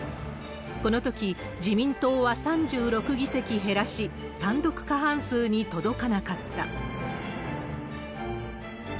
このとき、自民党は３６議席減らし、単独過半数に届かなかった。